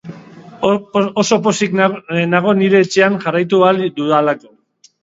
Oso pozik nago nire etxean jarraitu ahal dudalako.